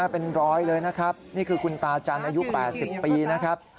เป็นรอยเลยนะครับนี่คือคุณตาจันทร์อายุ๘๐ปีนะครับ